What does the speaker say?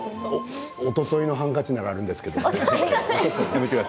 おとといのハンカチならあるんですけど。